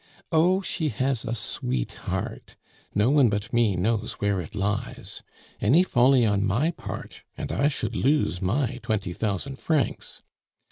Oh, she has a sweet heart; no one but me knows where it lies. Any folly on my part, and I should lose my twenty thousand francs.